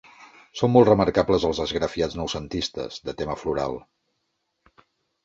Són molt remarcables els esgrafiats noucentistes, de tema floral.